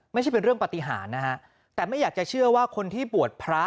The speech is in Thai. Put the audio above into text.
ไม่ใช่เป็นเรื่องปฏิหารนะฮะแต่ไม่อยากจะเชื่อว่าคนที่บวชพระ